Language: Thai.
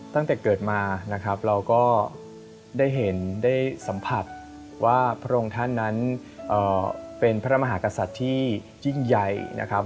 ตั้งแต่เกิดมานะครับเราก็ได้เห็นได้สัมผัสว่าพระองค์ท่านนั้นเป็นพระมหากษัตริย์ที่ยิ่งใหญ่นะครับ